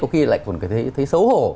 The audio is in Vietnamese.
có khi lại còn thấy xấu hổ